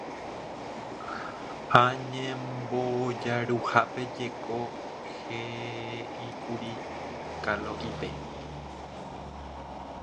ha ñembojaruhápe jeko he'íkuri Kalo'ípe.